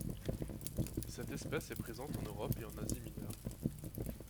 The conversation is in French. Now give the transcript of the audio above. Cette espèce est présente en Europe et en Asie mineure.